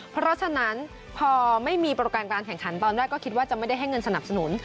เพราะฉะนั้นพอไม่มีโปรแกรมการแข่งขันตอนแรกก็คิดว่าจะไม่ได้ให้เงินสนับสนุน